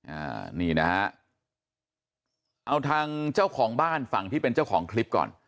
อ่านี่นะฮะเอาทางเจ้าของบ้านฝั่งที่เป็นเจ้าของคลิปก่อน